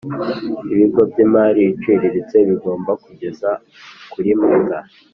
Ibigo by imari iciriritse bigomba kugeza kuri mata